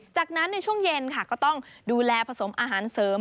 จากนั้นในช่วงเย็นค่ะก็ต้องดูแลผสมอาหารเสริม